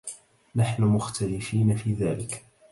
نحن مختلفين فى ذلك.